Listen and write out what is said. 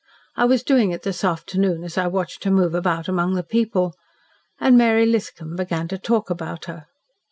I was doing it this afternoon as I watched her move about among the people. And Mary Lithcom began to talk about her."